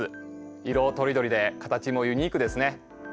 色とりどりで形もユニークですね。